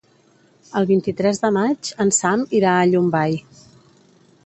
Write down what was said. El vint-i-tres de maig en Sam irà a Llombai.